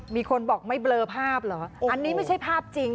มีคนบอกไม่เบลอภาพเหรออันนี้ไม่ใช่ภาพจริง